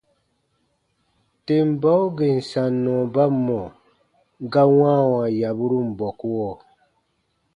Tem bau gèn sannɔ ba mɔ̀ ga wãawa yaburun bɔkuɔ.